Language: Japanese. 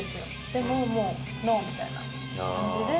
でももうノーみたいな感じで。